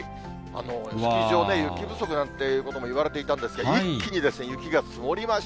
スキー場、雪不足なんてこともいわれていたんですが、一気に雪が積もりまし